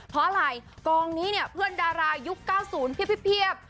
เพราะอะไรกองนี้เนี่ยเพื่อนดารายุค๙๐เพียบ